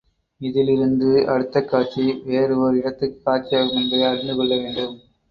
இதிலிருந்து அடுத்த காட்சி வேறு ஓர் இடத்துக் காட்சியாகும் என்பதை அறிந்துக் கொள்ள வேண்டும்.